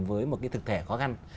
với một cái thực thể khó khăn